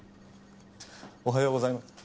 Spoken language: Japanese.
おはようございま。